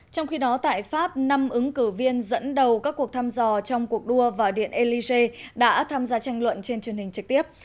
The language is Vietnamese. trong khi đó tại pháp năm ứng cử viên dẫn đầu các cuộc thăm dò trong cuộc đua vào điện élysée đã tham gia tranh luận trên truyền hình trực tiếp